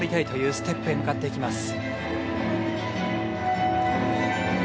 ステップへ向かっていきます。